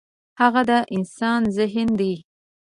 هغه د انسان ذهن دی.